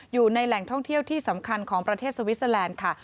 อยู่ในแหล่งท่องเที่ยวที่สำคัญของประเทศสวิสเตอร์แลนด์ค่ะ